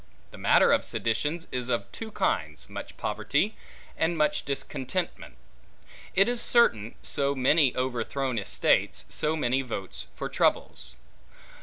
The matter of seditions is of two kinds: much poverty, and much discontentment. It is certain, so many overthrown estates, so many votes for troubles.